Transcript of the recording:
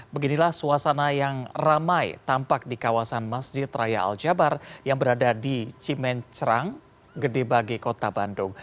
beginilah suasana yang ramai tampak di kawasan masjid raya al jabar yang berada di cimencerang gede bage kota bandung